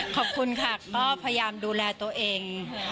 ขอบคุณค่ะก็พยายามดูแลตัวเอง